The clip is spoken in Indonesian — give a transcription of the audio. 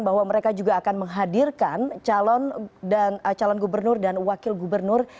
bahwa mereka juga akan menghadirkan calon gubernur dan wakil gubernur